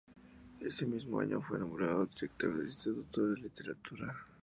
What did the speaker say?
Ese mismo año fue nombrado director del Instituto de Literatura.